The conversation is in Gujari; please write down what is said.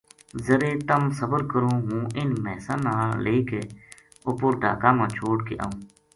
ذرے تم صبر کروں ہوں اِنھ مھیساں نا لے کے اپر ڈھاکا ما چھوڈ کے آئوں